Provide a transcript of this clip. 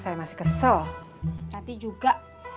saya masih kesel nanti juga